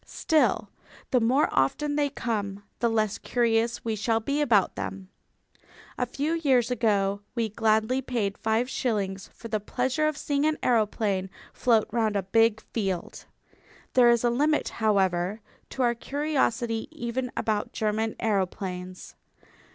Still, the more often they come the less curious we shall be about them. A few years ago we gladly paid five shillings for the pleasure of seeing an aeroplane float round a big field. There is a limit, however, to our curiosity even about German aeroplanes.